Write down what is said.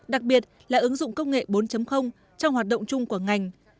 đặc biệt là ứng dụng công nghệ bốn trong hoạt động chung của ngành